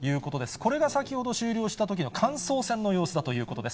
これが先ほど終了したときのかんそう戦の様子だということです。